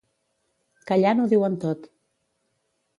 Callant ho diuen tot.